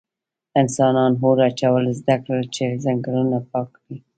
انسانان اور اچول زده کړل چې ځنګلونه پاک کړي.